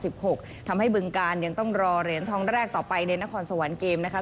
ทำให้บึงการยังต้องรอเหรียญทองแรกต่อไปในนครสวรรค์เกมนะคะ